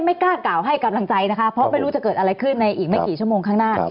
ไม่กล้ากล่าวให้กำลังใจนะคะเพราะไม่รู้จะเกิดอะไรขึ้นในอีกไม่กี่ชั่วโมงข้างหน้า